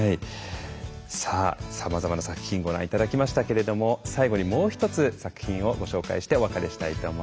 さあさまざまな作品ご覧頂きましたけれども最後にもう一つ作品をご紹介してお別れしたいと思います。